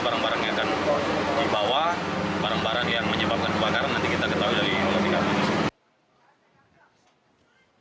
barang barang yang menyebabkan kebakaran nanti kita ketahui dari olah tkp